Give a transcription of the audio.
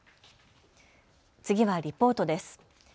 次はリポートです。